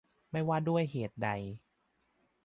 ไม่ว่าด้วยเหตุใด